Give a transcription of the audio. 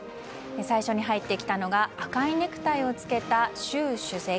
最初に入ってきたのが赤いネクタイを着けた習主席。